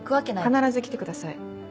必ず来てください。